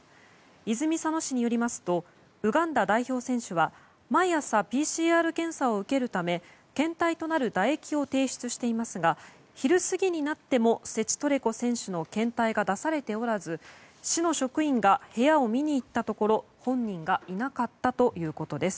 泉佐野市によりますとウガンダ代表選手は毎朝ＰＣＲ検査を受けるため検体となる唾液を提出をしていますが昼過ぎになってもセチトレコ選手の検体が出されておらず市の職員が部屋を見に行ったところ本人がいなかったということです。